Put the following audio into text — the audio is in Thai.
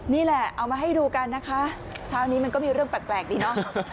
นี่แหละเอามาให้ดูกันนะคะเช้านี้มันก็มีเรื่องแปลกดีเนาะ